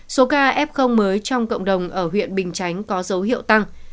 số ca f mới trong cộng đồng ở huyện bình chánh có dấu hiệu tăng